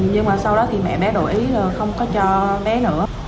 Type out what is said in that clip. nhưng mà sau đó mẹ bé đổi ý không có cho bé nữa